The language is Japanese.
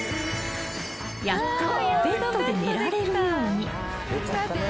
［やっとベッドで寝られるように］